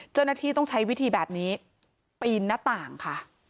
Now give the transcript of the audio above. เจ้าหน้าที่ต้องใช้วิธีแบบนี้ปีนหน้าต่างค่ะ